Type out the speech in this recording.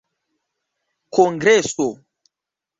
kongreso